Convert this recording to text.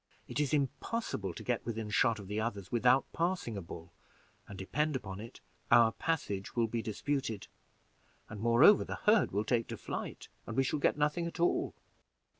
It is impossible to get within shot of the others without passing a bull, and depend upon it, our passage will be disputed; and moreover the herd will take to flight, and we shall get nothing at all."